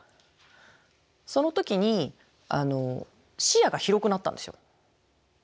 その時に視野が広くなったんですよ。